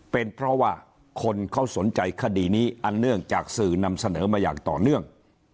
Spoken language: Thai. เป็นเพราะว่าคนเขาสนใจคดีนี้อันเนื่องจากสื่อนำเสนอมาอย่างต่อเนื่อง